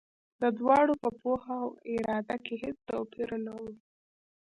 د دواړو په پوهه او اراده کې هېڅ توپیر نه و.